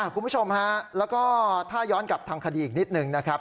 คุณผู้ชมฮะแล้วก็ถ้าย้อนกลับทางคดีอีกนิดหนึ่งนะครับ